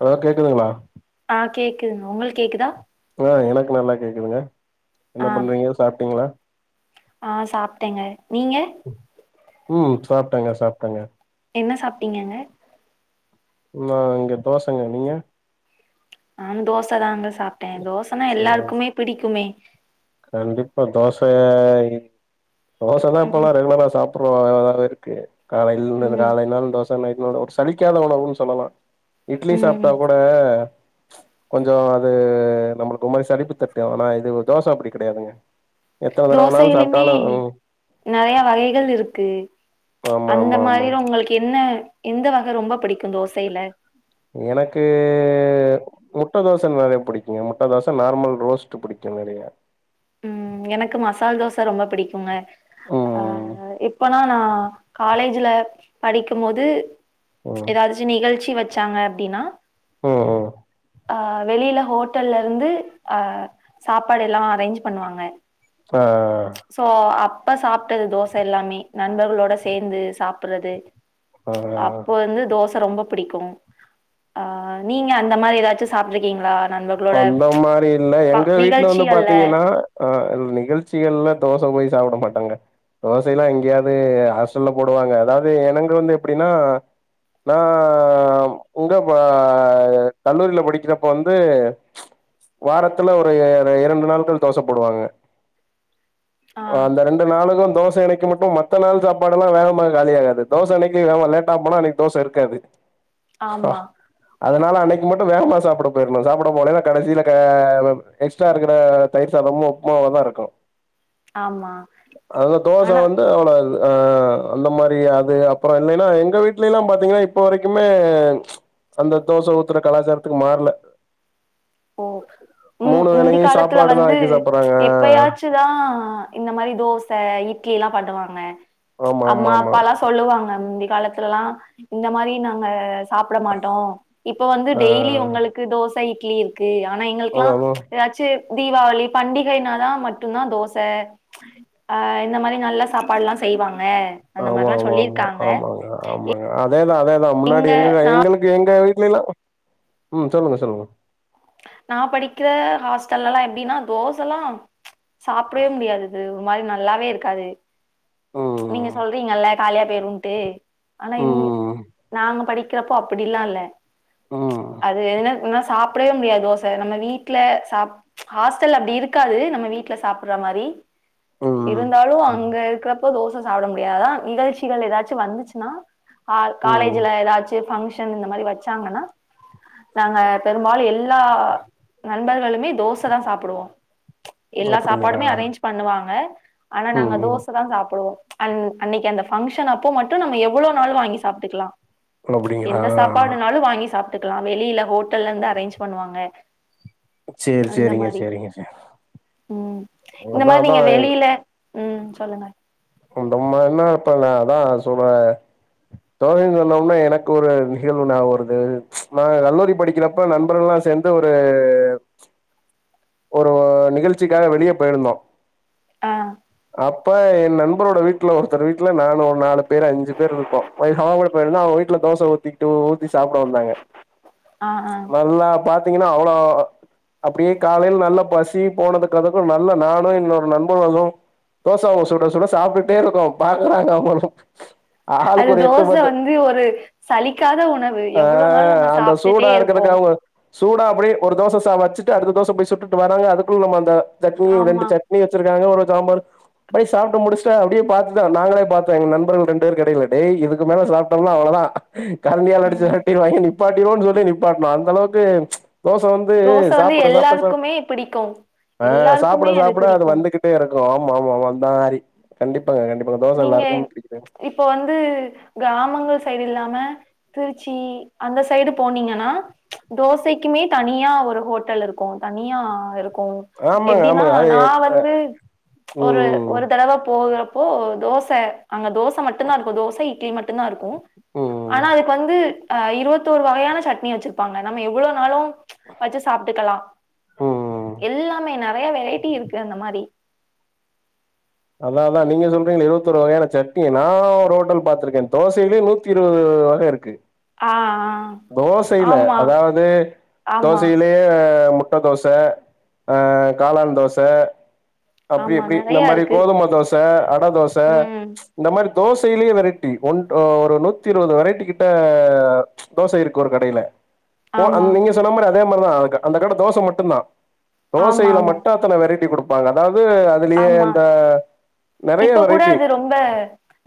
Hello கேக்குதுங்களா ஆ கேக்குதுங்க உங்களுக்கு கேக்குதா ஆ எனக்கு நல்லா கேக்குதுங்க ஆ என்ன பண்றீங்க சாப்ட்டீங்களா ஆ சாப்ட்டேங்க நீங்க உ சாப்ட்டேங்க சாப்ட்டேங்க என்ன சாப்பிட்டீங்கங்க நா இங்க தோசங்க நீங்க நானு தோசை தாங்க சாப்ட்டே தோசனா சரி எல்லாருக்குமே பிடிக்குமே கண்டிப்பா தோ சை தோசைனா இப்பல்லா ம் ரெகுலரா சாப் கோ இருக்கு காலையில ம் காலைல்னாலு தோச நைட்னாலு ஒரு சலிக்காத உனவுன்னு சொல்லலா இட்லி சாப்ட்டா ம் கூட கொஞ்ச அது நம்ளுக் ஒரு மாரி சளிப்பு தட்டும் ஆனா இது தோச அப்டி கிடையாதுங்க தோசை யிலுமே நெறைய வகைகள் இருக்கு ஆமா அந்த ஆமா ஆமா மாரில உங்களுக்கு என்ன எந்த வக ரொம்ப பிடிக்கும் தோசையில எனக்கு முட்டை தோச நெறைய பிடிக்கும்ங்க முட்டை தோசை நார்மல் ரோஸ்ட் பிடிக்கும் நெறைய ம் எனக்கு மசால் தோசை ரொம்ப பிடிக்குங்க ம் அ ம் இப்பனா நான் காலேஜ்ல படிக்கும் போது ம் ஏதாச்சும் நிகழ்ச்சி வச்சாங்க அப்டின்னா ம் ம் அ வெளியில ஹோட்டல்ல இருந்து அ சாப்பாடு எல்லா அரேஞ்ச் பண்ணுவாங்க ஆ ஆ சோ அப்ப சாப்ட்டது தோச எல்லாமே நண்பர்களோட சேந்து சாப்டுறது ஆ அப்போ இருந்து தோசை ரொம்ப பிடிக்கும் ஆ நீங்க அந்த மாரி ஏதாச்சு சாப்பிட்டுருக்கீங்களா அந்த மாரி இல்ல எங்க வீட்ல வந்து நிகழ்ச்சிகள்ல பாத்தீங்கன்னா ஆ நிகழ்ச்சிகள்ல தோசை போய் சாப்ட மாட்டாங்க தோசை எல்லாம் எங்கேயாவது ஹாஸ்டல்ல போடுவாங்க அதாவது எனங்க வந்து எப்டின்னா நான் உங்க ப கல்லூரியில படிக்கிறப்ப வந்து வாரத்துல ஒரு இரண்டு நாட்கள் தோசை பொடுவாங்க ஆ அந்த ரெண் டு நாளும் தோசை அணைக்கு மட்டும் மத்த நாள் சாப்பாடுல்லா வேமாக காலிய ஆகாது தோச அன்னைக்கு லேட்டா ஃபோன் அன்னைக்கு தோசை இருக்காது ஆமா அதனால அன்னைக்கு மட்டும் வேகமா சாப்ட போயிறனு சாப்ட போலேன கடைசியில எக்ஸ்ட்ரா இருக்கிற தயிர் சாதமும் உப்புமாவ தான் இருக்கும் ஆமா அந்த தோசை ஆனா வந்து அவ்ளவு இது ஆ அந்த மாரி அது அப்பறம் இல்லைன்னா எங்க வீட்ல எல்லாம் பாத்தீங்கன்னா இப்ப வரைக்குமே அந்த தோச ஊத்துற கலாச்சாரத்துக்கு மாறல ஓ முந்தி வேளையும் காலத்துல சாப்பாடு தான் வந்து ஆக்கி சாப்பிடுறாங்க. எப்பயாச்சு ட்டுதா இந்த மாரி தோச இட்லி எல்லாம் பண்ணுவாங்க ஆமா, ஆமா, அம்மா ஆமா. அப்பா ல சொல்லுவாங்க முந்தி காலத்துல எல்லாம் இந்த மாரி நாங்க சாப்ட மாட்டோம் இப்ப வந்து ஆ டெய்லி உங்களுக்கு தோச இட்லி இருக்கு ஆனா எங்களுக்கெல்லா அதாவும் ஏதாச்சு தீபாவளி பண்டிகைனாதான் மட்டும் தான் தோச அ இந்த மாரி நல்ல சாப்பாடு எல்லா செய்வாங்க அந்த ஆமா மாரில்லா ஆமா ஆமா சொல்லிருக்காங்க ஆமாங்க ஆமாங்க அதேதான் அதேதான் முன்னாடி எங்க எங்களுக்கு எங்க வீட்ல எல்லா ம் சொல்லுங்க சொல்லுங்க நான் படிக்கிற ஹாஸ்டல்ல எல்லாம் எப்டின்னா தோச எல்லாம் சாப்டவே முடியாதுது ஒரு மாரி நல்லாவே இருக்காது நீங்க ம். சொல்றீங்கல்ல காலியா போய்ருன்டு ஆனா ம். நாங்க படிக்கிறப்போ அப்டில்லா இல்ல ம். அது எதுனா என்னா சாப்டவே முடியாது தோச நம்ம வீட்ல சா ஹாஸ்டல்ல அப்டி இருக்காது நம்ம வீட்ல சாப்பிற்ர மாரி ம் இருந்தாலும் அங்க இருக்கிறப்ப தோச சாப்பிட முடியாது அதான் நிகழ்ச்சிகள் ஏதாச்சும் வந்துச்சுன்னா ம் காலேஜ்ல ஏதாச்சு பங்க்ஷன் இந்த மாரி வெச்சாங்கன்னா நாங்க பெரும்பாலும் எ ல்லா நண்பர்களுமே தோச தான் சாப்டுவோ எல்லா அப்டிங்களா சாப்பாடுமே அரேஞ்ச் பண்ணுவாங்க ஆனா நாங்க ம் ம் தோச தான் சாப்டுவோ அன் அன்னைக்கு அந்த பங்க்ஷன் அப்போ மட்டும் நம்ம எவ்ளவு நாள் வாங்கி சாப்ட்டுக்கலா அப்டிங்களா எந்த சாப்பாடுனாலு வாங்கி சாப்ட்டுக்கலா வெளில ஹோட்டல்ல இருந்து அரேஞ்ச் பண்ணுவாங்க சேரி அந்த சேரிங்க மாரி சேரிங்க சேரி ம் இந்த அதா மாரி அதா நீங்க வெளில ம் சொல்லுங்க உ தம்மானா அப்பெல்லாதா சொல்ற தோனின் சொன்னோம்னா எனக்கு ஒரு நிகழ்வு நாபகோ வருது நா கல்லூரி படிக்கெறப் ப நண்பர்கள்ல்லா சேந்து ஒரு ஒரு நிகழ்ச்சிக்காக வெளிய போயிருந்தோ ஆ அப்ப என் நண்பரோட வீட்ல ஒருத்தர் வீட்ல நானு ஒரு நாலு பேர் அஞ்சு பேர் இருப்போ அவ சாப்பெட போய்ருந்த அவ வீட்ல தோச ஊத்தி ட்டு ஊத்தி சாப்பட வந்தாங்க ஆ ஆ நல்லா ப பாத்தீங்கன்னா அவ்ளோ அப்டியே காலேல நல்லா பசி போனதுக்கு அதுக்கு நல்லா நானு என்னோட நண்பர்களு தோச அவ்ங்க சுட சுட சாப்ட்டுட்டே இருக்கோ அவ்ங்களு அது ஆளுக்கு ஒரு எட்டு தோச பத்து வந்து ஒரு சலிக்காத உணவு ஆ எவ்ளோ நாள் நம்ம அந்த சாப்ட்டுட்டே சூடா இருப்போ இருக்கறதுக்கு அவுங்க சூடா அப்டியே ஒரு தோச ச வெச்சிட்டு அடுத்த தோச போய் சுட்டுட்டு வராங்க அதுக்குள்ள நம்ம அந்த சட்னி ரெண்டு ஆமா சட் னி வெச்சிருக்காங்க ஒரு சாம்பாரு போய் சாப்ட்டு முடிச்சிட்ட அப்டியே பாத்துதா நாங்களே பாத்தோ எங்க நண்பர்கள் ரெண்டு பேர் கெடெல டேய் இதுக்கு மேல சாப்ட்டொம்னா அவ்ளோதா கரட்டியால ஆ அடுச்சு வெரட்டீருவாங்க நிப்பாட்டிவோன்னு சொல்லி நிப்பாட்ணோ அந்த அளவுக்கு தோச வந்து தோச வந்து சாப்பட சாப்பட சாப்ட் எல்லாருக்குமே பிடிக்கு ஆ சாப்பட எல்லாருக்குமே சாப்பட அது பிடிக்கு வந்து துட்டே இருக்கு ஆமா ஆமா ஆமா தாரி கண்டிப்பாங்க கண்டிப்பாங்க தோச நீங்க எல்லாருக்கும் புடிகுது இப்போ வந்து க்ராமங்கள் சைட் இல்லாம திருச்சி அந்த சைடு போனீங்கனா தோசைக்குமே தனியா ஒரு ஹோட்டல் இருக்கு தனியா இருக்கு ஆமாங்க எப்டின்னா ஆமாங்க அது நா வந்து ஒரு ம் ஒரு தடவ போகுறப்போ தோச அங்க தோச மட்டுந்தா இருக்கு தோச இட்லி மட்டுந்தா இருக்கு ம் ஆனா அதுக்கு வந்து அ இருவத்தோரு வகையான சட்னி வெச்சிருப்பாங்க நம்ம எவ்ளோனாலு வெச்சு சாப்ட்டுக்கலா ம் எல்லாமே நறையா வெரைட்டி இருக்கு அந்த மாரி அதா அதா நீங்க சொல்றீங்களே இருவத்தோரு வகையான சட்னி நா ஒரு ஹோட்டல் பாத்திருக்கே தோசைலியே நூத்தி நூத்தி இருவது வக இருக்கு ஆ ஆ தோசைல ஆமா அதாவது ஆமா தோசைல யே முட்ட தோச ஆ காளான் தோச அப்பிடி ஆமா எப்பிடி இந்த நெறையா மாரி இருக்கு கோதும தோச அட தோச ம் இந்த மாரி தோசைலெயே வெரைட்டி ஒன் ஒரு நூத்தி இருவது வரைட்டி கிட்ட தோசை இருக்கு ஒரு கடைய்ல கோ ஆமா அந் நீங்க சொன்ன மாரி அதே மாரிதா அந்த கட தோச மட்டுந்தா ஆமா தோசைல ஆமா மட்டு அத்தன வரைட்டி குடுப்பாங்க அதாவ்து அதுலயே ஆமா இந்த நறையா வரைட்டி ப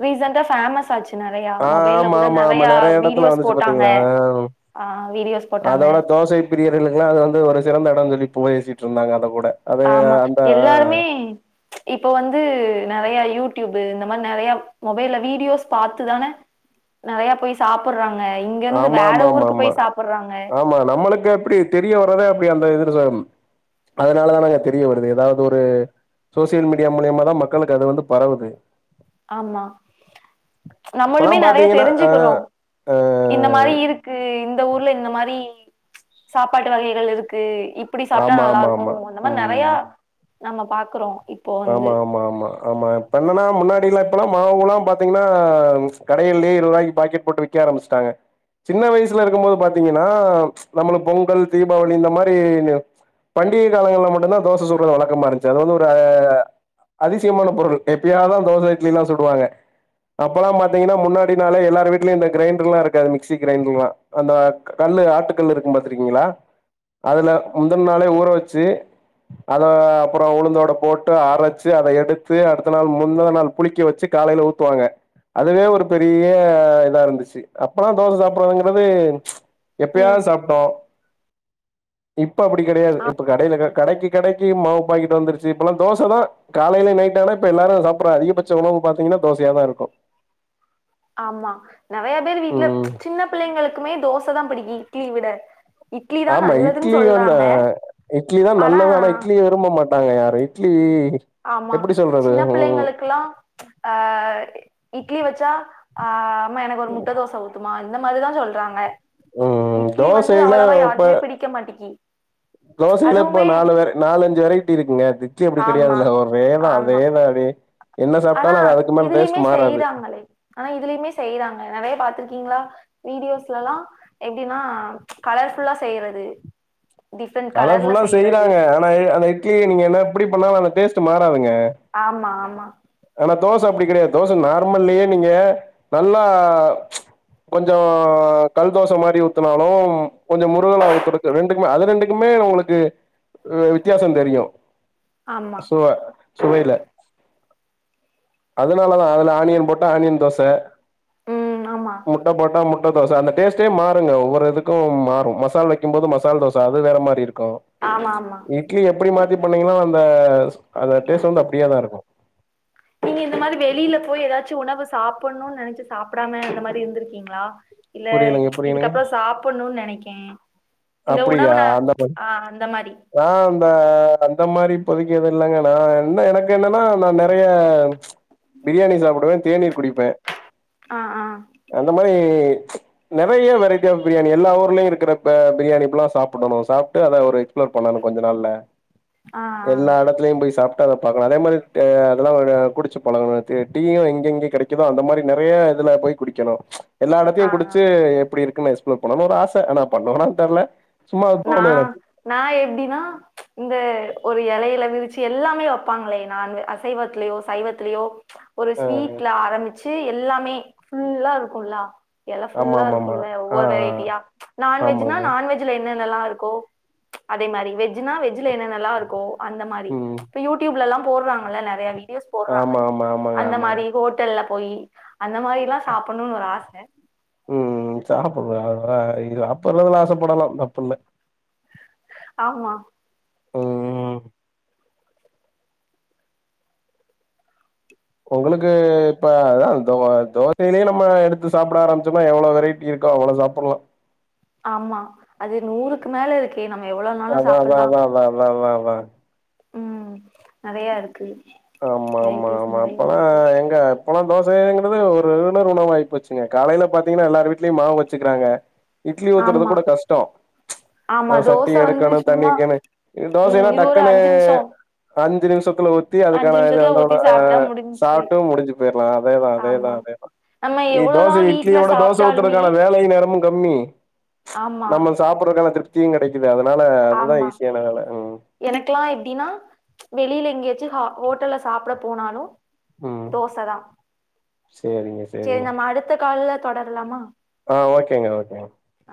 ரீசன்ட்டா ஃபேமஸ் ஆச்சு நறையா ஆ மொபைல்ல ஆமா கூட ஆமா ஆமா நறையா நெறைய எடத்துல வீடியோஸ் வந்துச்சு போட்டாங்க பாத்தீங்களா ஆ வீடியோஸ் போட்டாங்க பிரியாறருல்லுங்களா அது வந்து ஒரு சிறந்த எடொன் சொல்லி போயேசிட்டு இருந்தாங்க அத கூட அது ஆமா அந்த எல்லாருமே இப்ப வந்து நறையா யூடியூப்பு இந்த மாரி நறையா மொபைல்ல வீடியோஸ் பாத்துதான நறையா போய் சாப்பட்றாங்க இங்க இருந்து ஆமா வேற ஆமா ஆமா ஊருக்கு ஆமா போய் சாப்பட்றாங்க ஆமா நம்மளுக்கு எப்டி தெரிய வறதே அப்டி அந்த இதுல ச அதனாலதானங்க தெரிய வருது எதாவது ஒரு சோசியல் மீடியா மூலியமா தா மக்களுக்கு அது வந்து பரவுது ஆமா இப்பல்லா நம்மளுமே நறையா பாத்தீங்கன்னா ஆ தெரிஞ்சிக்கிறோ ஆ இந்த மாரி இருக்கு இந்த ஊர்ல இந்த மாரி சாப்பாட்டு வகைகள் இருக்கு இப் இப்டி சாப்ட்டா ஆமா நல்லா ஆமா இருக்கும் ஆமா அந்த மாரி நறையா ம் நம்ம பாக்கறோ இப் ஆமா ஆமா ஆமா ஆமா இப்ப என்னான்னா முன்னாடில்லா இப்பல்லா மாவுல்லா பாத்தீங்கன்னா கடையிலே இருவராய்க்கு பாக்கெட் போட்டு வி க்க ஆரம்பிச்சிட்டாங்க சின்ன வயசுல இருக்கமோது பாத்தீங்கன்னா நம்மள பொங்கல் தீபாவளி இந்த மாரிங்க பண்டிக காலங்கள்ல மட்டுந்தா தோச சுடற வழக்கமா இருந்ச்சி அது வந்து ஒரு ஆ அதிசயமான பொருள் எப்பயாதா தோச இட்லிலாம் சுடுவாங்க அப்பல்லா பாத்தீங்கன்னா முன்னாடினாலே எல்லாரு வீட்லயு இந்த கிரேண்டர்லா இருக்காது மிக்சி கிரேண்டர்ல்லா அந்த கல்லு ஆட்டுக்கல்லு இருக்கும் பாத்துருக்கீங்களா அதுல முந்தன நாளே ஊற வச்சி அத அப்புறம் உளுந்தோட போட் டு அரைச்சி அத எடுத்து அடுத்த நாள் முந்தன நாள் புளிக்க வச்சி காலையில ஊத்துவாங்க அதுவே ஒரு பெரிய இதா இருந்துச்சி அப்பல்லாம் தோச சாப்பறங்கிறது ம் எப்பயாவது சாப்ட்டோம் இப்ப அப்டி கெடையாது ஆ இப்ப கடைல கடைக்கு கடை க்கு மாவு பாக்கெட்டு வந்துருச்சி இப்பல்லா தோசதா காலைல நைட்டானா இப்ப எல்லாரு சாப்பற அதிகபட்ச உணவு பாத்தீங்கன்னா தோசயா தா இருக்கும் ஆமா நறையா பேரு வீட்ல ம் சின்ன பிள்ளைங்களுக்குமே தோசதா பிடிக்கு இட்லிய விட இட்லி தா ஆமா நல்லதுன்னு இட்லி வந்து சொல்றாங்க இட்லி தா நல்லது ஆனா இட்லி விரும்ப மாட்டாங்க யாரும் இட்லி ஆமா எப்படி சொல்றது சின்ன ம் பிள்ளைங்களுக்குலா ஆ இட்லி வச்சா ஆ ஆமா எனக்கு ஒரு முட்ட தோச ஊத்துமா இந்த மாதிரிதா சொல்றாங்க ம் இட்லி வந்து தோசையில அவ்ளவா இப்ப யாருக்குமே பிடிக்க மாட்டிக்கி தோசையில இப்போ அதுவுமே நாலு வெர நாலஞ்சி வெரைட்டி இருக்குங்க அதுக் இட்லி அப்டி கெடையாது ஆமா, இல்ல ஒரேதா ஆமா. அதேதான் அப்டி என்ன சாப்ட்டாலும் அது அதுக்கு மேல டேஸ்ட்டு மாறாது ஆ மலைவ் ஆனா இதுலயுமே செய்யறாங்க நறையா பாத்துருக்கீங்களா வீடியோஸ்லலாம் எப்டின்னா கலர்ஃபுல்லா செய்யறது டிஃப்ரண்ட் கலர்ல செய்றது மையி அந்த இட்லி நீங்க என்ன எப்டி பண்ணாலும் அந்த டேஸ்ட்டு மாறாதுங்க ஆமா ஆமா ஆனா தோச அப்டி கெடையாது தோச நார்மல்லயே நீங்க நல்லா கொஞ்சம் கல் தோச மாரி ஊத்தனாலும் கொஞ்சம் முருகலா ஊத்தடுக்கு ரெண்டுக்குமே அது ரெண்டுக்குமே உங்களுக் கு வித்தியாசம் தெரியும் ஆமா. சுவ சுவையில அதனாலதா அதுல ஆனியன் போட்டா ஆனியன் தோச ம் ஆமா முட்ட போட்டா முட்ட தோச அந்த டேஸ்டே மாறுங்க ஒவ்வொரு இதுக்கும் மாறும் மசால் வைக்கபோது மசால் தோச சோ அது வேற மாரி இருக்கும் ஆமா ஆமா இட்லி எப்டி மாத்தி பண்ணீங்கன்னோ அந்த அந்த டேஸ்ட்டு வந்து அப்டியே தா இருக்கும் நீங்க இந்த மாரி வெளியில போயி எதாச்சிம் உணவு சாப்பணுன் நெனைச்சி சாப்படாம இந்த மாரி இருந்திருக்கீங்கிளா இல்ல புரியலங்க புரியலங்க இதுக்கப்புறம் சாப்பணுன் நெனைக்கேன் இந்த உணவு அப்டியா நான் அந்த ஆ அந்த மாரி. ஆ அந்த அந்த மாரி இப்போதைக்கு எது இல்லங்க நா என்ன எனக்கென்னனா நா நெறைய பிரியாணி சாப்புடுவே தேநீர் குடிப்பே ஆ ஆ. அந்த மாரி நெறைய வெரைட்டி ஆஃப் பிரியாணி எல்லா ஊர்லயு இருக்கறப்ப பிரியாணி ஃபுல்லா சாப்புடனு சாப்ட்டு அத ஒரு எக்ஸ்ப்ளோர் பண்ணணு கொஞ்ச நாள்ள ஆ, எல்லா ஆ. எடத்து கு போய் சாப்ட்டு அத பாக்லா அதே மாரி தே அதெல்லா வந்து குடிச்சி பழகனு இப்ப டீயே எங்கெங்க கெடை கிதோ அந்த மாரி நெறைய இதுல போய் குடிக்கனு எல்லா எடத்தையு ஆ, ஆ. குடிச்சி எப்டி இருக்குன் எக்ஸ்ப்ளோர் பண்ணனு ஒரு ஆனா பண்ணுவனான் தெர்ல சும்மா நா தோணு எனக்கு நா எப்டின்னா இந்த ஒரு எலையில விரிச்சி எல்லாமே வெப்பாங்களே நா அந்த அசைவத்லயோ சைவத்லயோ ஒரு அ ஸ்வீட்ல ஆரம்பிச்சி எல்லாமே ஃபுல்லா இருக்குல்லா எல ஆமா ஃபுல்லா ஆமா ஆமா இருக்குல்ல ஆ ஒவ்வொரு வெரைட்டியா ஆ நான்வெஜ்னா ஆமாங்க நான்வெஜ் என்னன்னலா இருக்கோ அதே மாரி வெஜ்னா வெஜ்ல என்னன்னலா இருக்கோ அந்த மாரி ம் இப்ப யூடியூப்ல எல்லா போட்றாங்கள்ள நெறையா வீ போட்றாங்க ஆமா ஆமா ஆமாங்க அந்த ஆமாங்க மாரி ஹோட்டல்ல போய் அந்த மாரி எல்லா சாப்புன்னுன் ஒரு ஆச ம் சாப்புற்றா இது அப்பெல்லா இதுல ஆச படலா தப்புல்ல ஆமா ம் உங்களுக்கு இப்ப அதா தோ தோசையிலியே நம்ம எடுத்து சாப்ட ஆரம்மிச்சமா எவ்ளோ வெரை இருக்கா அவ்ள சாப்புல்லா ஆமா அது நூறுக்கு மேல இருக்கே நம்ம எவ்ளோனாலு சாப்புல்லா வா வா வா வா ம் நெறையா இருக்கு ஆமா ஆமா வெரைட்டிஸ் ஆமா நெறையா அப்பல்லா இருக்கு எங்க அப்போலா தோசங்கிறது ஒரு ரெகுலர் உணவாய்ப் போச்சுங்க காலைல பாத்தீங்கனா எல்லாரு வீட்லியு மாவு வச்சுக்குறாங்க இட்லி ஊத்துறது ஆமா கூட கஷ்டோ ஆமா அது சட்டி தோச வந்து எடுக்கனு தண்ணி சும்மா வக்கினு இது ம் தோசைனா இது ஒரு டக்குனு அஞ்சு நிமிஷோ அஞ்சி நிமிஷத்துல ஊத் ஊத்தி அஞ்சு அதுக்கான நிமிஷத்துல அதோட ஊத்தி அ சாப்ட்டா முடிஞ்ச்சு சாப்ட்டு முடிஞ்சி போய்ர்லா அதேதா அதேதா ஆமா அதேதா நம்ம இ எவ்வளோதா தோசை வீட்ல இட்லியோட தோச சாப்ட்டாலுமே ஊத்துறதுக்கான வேலை நேரமு கம்மி ஆமா நம்ம சாப்புறதான திருப் தியு கெடைக்குது அதனால அதுதா ஈஸியான வேல ம் எனக்லா எப்டின்னா வெளியில எங்கியாச்சி ஹா ஹோட்டல்ல சாப்ட போனாலு ம் தோச தா சேரிங்க சேரி சேரிங்க நம்ம அடுத்த கால்ல தொடரலாமா ஆ ஓகேங்க ஓகேங்க ஆ